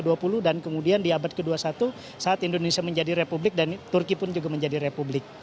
dari abad ke dua puluh dan kemudian di abad ke dua puluh satu saat indonesia menjadi republik dan turki pun juga menjadi republik